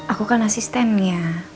aku kan asistennya